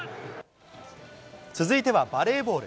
続いてはバレーボール。